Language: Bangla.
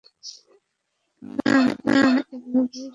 না এমনেই সাধারণত।